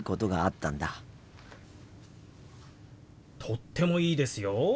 とってもいいですよ。